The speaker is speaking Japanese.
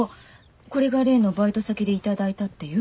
これが例のバイト先で頂いたっていう？